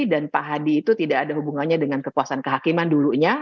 dan pak hadi itu tidak ada hubungannya dengan kekuasaan kehakiman dulunya